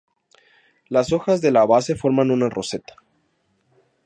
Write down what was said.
Las hojas de la base forman una roseta.